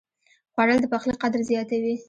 خوړل د پخلي قدر زیاتوي